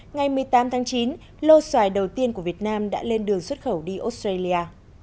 ngày một mươi tám tháng chín lô xoài đầu tiên của việt nam đã lên đường xuất khẩu đi australia